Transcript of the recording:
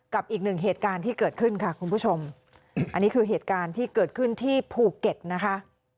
อีกหนึ่งเหตุการณ์ที่เกิดขึ้นค่ะคุณผู้ชมอันนี้คือเหตุการณ์ที่เกิดขึ้นที่ภูเก็ตนะคะ